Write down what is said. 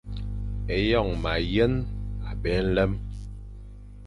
Eyon mayen abé nlem.